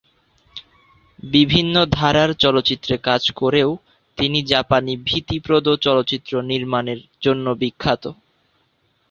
বিভিন্ন ধারার চলচ্চিত্রে কাজ করলেও তিনি জাপানি ভীতিপ্রদ চলচ্চিত্র নির্মাণের জন্য বিখ্যাত।